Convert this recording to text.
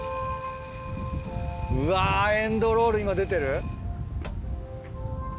うわエンドロール今出てる？